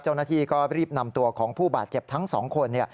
เจ้าหน้าที่ก็รีบนำตัวของผู้บาดเจ็บทั้ง๒คน